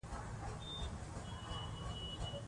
افتخارات به عادلانه وېشل سوي وي.